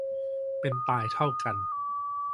เป็นตายเท่ากัน